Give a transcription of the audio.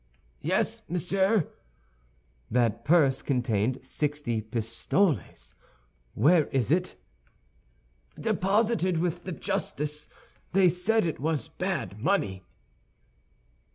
"Yes, monsieur." "That purse contained sixty pistoles; where is it?" "Deposited with the justice; they said it was bad money."